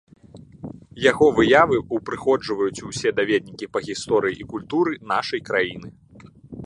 Яго выявы ўпрыгожваюць усе даведнікі па гісторыі і культуры нашай краіны.